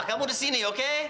kamu di sini oke